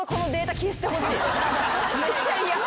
めっちゃ嫌。